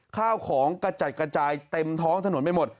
ข้าวของกระจัดกระจายเต็มท้องถนนไปหมด